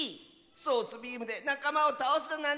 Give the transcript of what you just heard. ソースビームでなかまをたおすだなんて！